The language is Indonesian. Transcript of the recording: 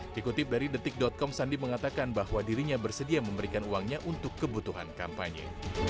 dikutip dari detik com sandi mengatakan bahwa dirinya bersedia memberikan uangnya untuk kebutuhan kampanye